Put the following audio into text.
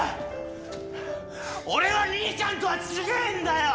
俺は兄ちゃんとは違えんだよ！